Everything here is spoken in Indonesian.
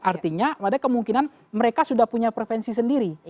artinya ada kemungkinan mereka sudah punya prevensi sendiri